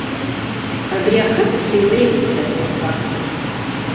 Абри ахаҵа сеилеигоит сара уаха!